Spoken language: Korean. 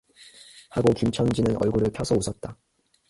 하고 김첨지는 얼굴을 펴서 웃었다.